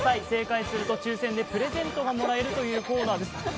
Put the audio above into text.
正解すると抽選でプレゼントがもらえるというコーナーです。